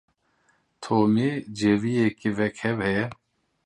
Tomî cêwiyekî wekhev heye.